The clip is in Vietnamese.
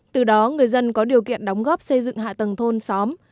từ đó người dân có điều kiện đóng góp xây dựng hạ tầng thôn xóm